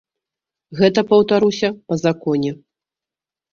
Гэта, паўтаруся, па законе.